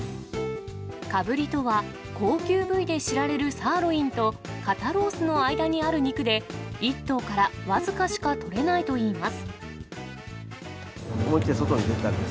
かぶりとは、高級部位で知られるサーロインと肩ロースの間にある肉で、１頭から僅かしか取れないといいます。